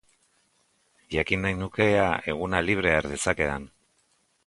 Jakin nahi nuke ea eguna libre har dezakedan.